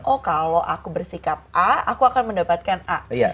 oh kalau aku bersikap a aku akan mendapatkan a